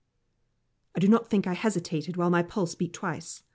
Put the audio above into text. I do not think I hesitated while my pulse beat twice.